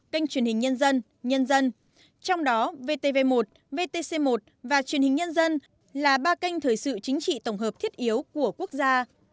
kênh truyền hình nhân dân nhân dân trong đó vtv một vtc một và truyền hình nhân dân là ba kênh thời sự chính trị tổng hợp thiết yếu của quốc gia